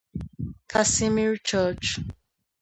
Casimir Church.